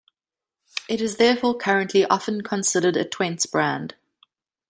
It is therefore currently often considered a Twents brand.